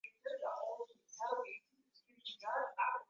Alipenda aina hiyo ya mateso